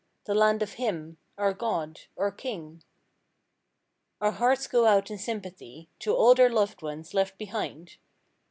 The land of Him, our God—our King. 176 Our hearts go out in sympathy To all their loved ones, left behind.